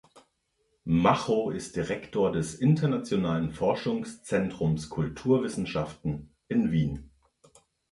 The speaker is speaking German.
Macho ist Direktor des Internationalen Forschungszentrums Kulturwissenschaften in Wien.